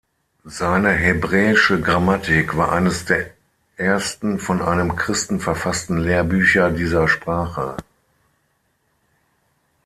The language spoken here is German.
Seine hebräische Grammatik war eines der ersten von einem Christen verfassten Lehrbücher dieser Sprache.